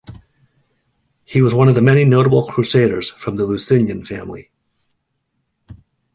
He was one of the many notable Crusaders in the Lusignan family.